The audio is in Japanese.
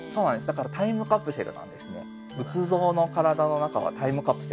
だからタイムカプセルなんですね。